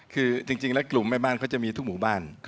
คือจริงแล้วกลุ่มแม่บ้านเขาจะมีทุกหมู่บ้าน